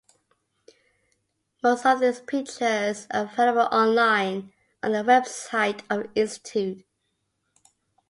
Most of these pictures are available online on the website of the institute.